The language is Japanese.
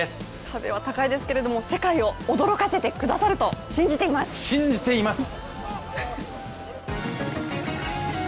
壁は高いですけれども世界を驚かせてくださると信じています。